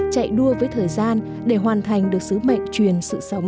chạy đua với thời gian để hoàn thành được sứ mệnh truyền sự sống